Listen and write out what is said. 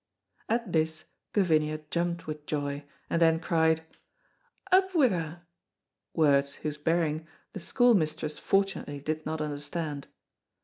At this Gavinia jumped with joy, and then cried, "Up wi' her!" words whose bearing the school mistress fortunately did not understand.